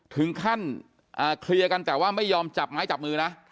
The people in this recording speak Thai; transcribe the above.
ถึงขั้นเคลียร์กันแต่ว่าไม่ยอมจับไม้จับมือนะ